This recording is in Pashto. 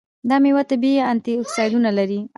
دا میوه طبیعي انټياکسیدان لري.